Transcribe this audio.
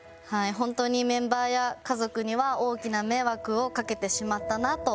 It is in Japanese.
本当にメンバーや家族には大きな迷惑をかけてしまったなと思います。